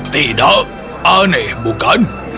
tidak aneh bukan